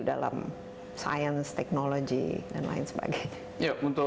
dalam science technology dan lain sebagainya